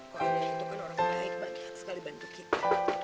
kau lihat itu kan orang baik banget sekali bantu kita